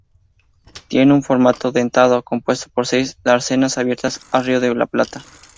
Tiene un formato "dentado", compuesto por seis dársenas abiertas al Río de la Plata.